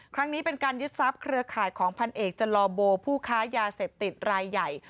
ครั้งนี้เป็นการยึดทรัพย์เครือข่ายของพันเอกจลอโบผู้ค้ายาเสพติดรายใหญ่